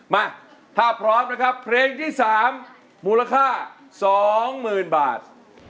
มาถ้าพร้อมนะครับเพลงที่๓มูลค่า๒๐๐๐บาท